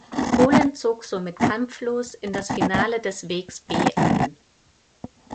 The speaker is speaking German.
Polen zog somit kampflos in das Finale des "Wegs B" ein.